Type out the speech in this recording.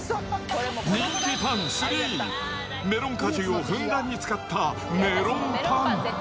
人気パン３、メロン果汁をふんだんに使ったメロンパン。